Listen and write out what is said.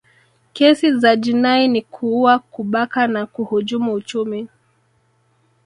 kesi za jinai ni kuua kubaka na kuhujumu uchumi